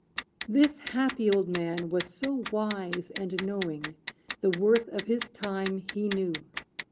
This happy old man was so wise and knowing, The worth of his time he knew.